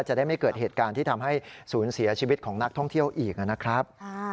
จะได้ไม่เกิดเหตุการณ์ที่ทำให้ศูนย์เสียชีวิตของนักท่องเที่ยวอีกนะครับ